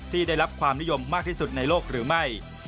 ได้รับความนิยมมากที่สุดในโลกหรือไม่